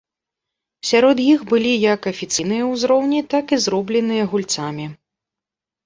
Сярод іх былі як афіцыйныя узроўні, так і зробленыя гульцамі.